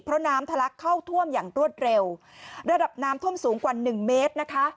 เพราะน้ำทะลักเข้าท่วมอย่างรวดเร็วระดับน้ำท่วมสูงกว่าหนึ่งเมตรนะคะ